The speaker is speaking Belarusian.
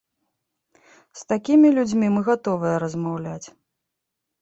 З такімі людзьмі мы гатовыя размаўляць.